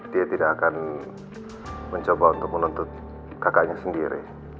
dia tidak akan mencoba untuk menuntut kakaknya sendiri